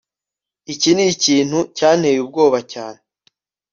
Iki nikintu cyanteye ubwoba cyane